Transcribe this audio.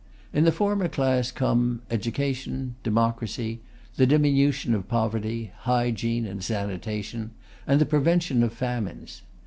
In the former class come education, democracy, the diminution of poverty, hygiene and sanitation, and the prevention of famines.